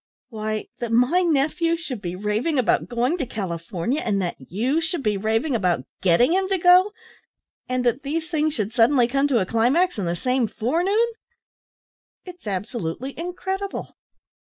"Why, that my nephew should be raving about going to California, and that you should be raving about getting him to go, and that these things should suddenly come to a climax on the same forenoon. It's absolutely incredible.